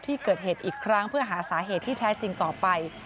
ที่เกิดเหตุอีกครั้งเพื่อหาสาเหตุที่แท้จริงต่อไป